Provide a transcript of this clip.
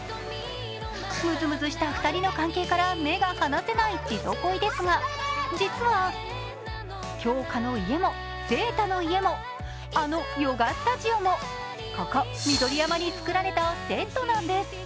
ムズムズした２人の関係から目が離せない「じぞ恋」ですが、実は杏花の家も晴太の家も、あのヨガスタジオもここ、緑山に造られたセットなんです。